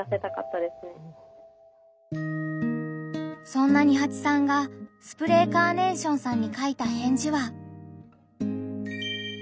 そんなニハチさんがスプレーカーネーションさんに書いた返事は。